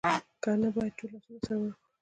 که نه باید ټول لاسونه سره ورکړو